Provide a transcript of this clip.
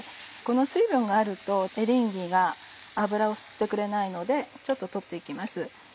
この水分があるとエリンギが油を吸ってくれないので取って行きます。